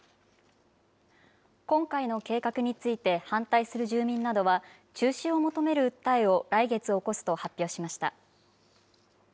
今回の計画について、反対する住民などは、中止を求める訴えを来月起こすと発表しました。